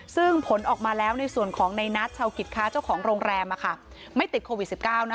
ซึ่งผลออกมาแล้วในส่วนของในนัทชาวกิจค้าเจ้าของโรงแรมไม่ติดโควิด๑๙